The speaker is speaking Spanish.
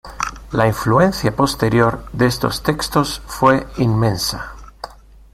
La influencia posterior de estos textos fue inmensa.